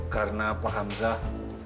karena pak hamzah